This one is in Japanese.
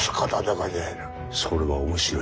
それは面白いな。